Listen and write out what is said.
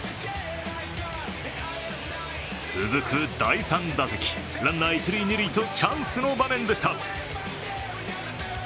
続く第３打席、ランナー、一・二塁とチャンスの場面でした。